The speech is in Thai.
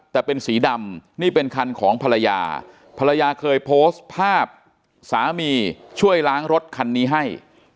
แต่เป็นสีดำนี่เป็นคันของภรรยาภรรยาเคยโพสต์ภาพสามีช่วยล้างรถคันนี้ให้